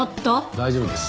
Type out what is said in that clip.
大丈夫です。